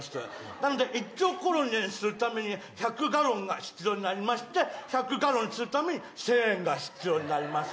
なんで１兆コロニーするために１００ガロンが必要になりまして１００ガロンにするために１０００円が必要になります。